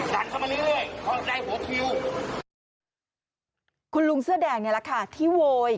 สั่นเข้ามาเรื่อยเรื่อยเขาได้หัวคิวคุณลุงเสื้อแดงนี่แหละค่ะที่โวย